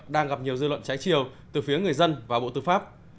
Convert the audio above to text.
đang gặp nhiều dư luận trái chiều từ phía người dân và bộ tư pháp